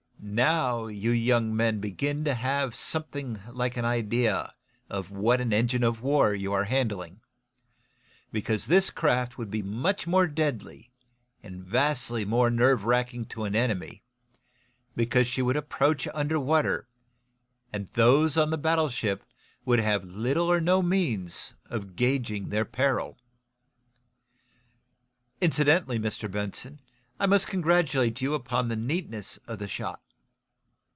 "Now, you young men begin to have something like an idea of what an engine of war you are handling, because this craft would be much more deadly, and vastly more nerve racking to an enemy, because she would approach under water, and those on the battleship would have little or no means of gauging their peril. Incidentally, Mr. Benson, I must congratulate you upon the neatness of the shot."